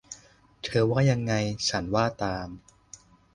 เธอว่ายังไง ฉันว่าตาม